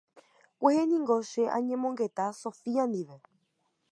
Kuehe ningo che añemongeta Sofía ndive.